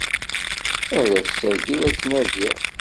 Ar ass-agi la ttnadiɣ.